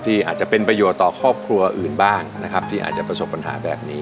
อาจจะเป็นประโยชน์ต่อครอบครัวอื่นบ้างนะครับที่อาจจะประสบปัญหาแบบนี้